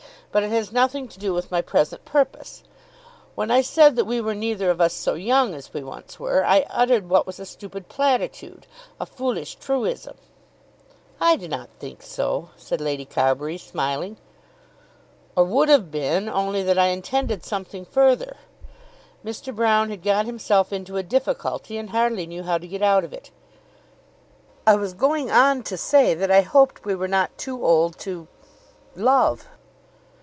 But it has nothing to do with my present purpose. When I said that we were neither of us so young as we once were, I uttered what was a stupid platitude, a foolish truism." "I did not think so," said Lady Carbury smiling. "Or would have been, only that I intended something further." Mr. Broune had got himself into a difficulty and hardly knew how to get out of it. "I was going on to say that I hoped we were not too old to love."